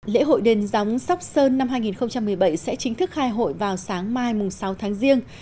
lễ hội đền gióng sóc sơn năm hai nghìn một mươi bảy sẽ chính thức khai hội vào sáng mai sáu tháng riêng